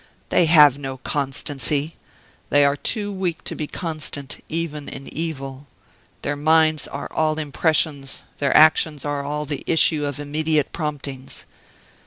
They have no constancy they are too weak to be constant even in evil; their minds are all impressions; their actions are all the issue of immediate promptings.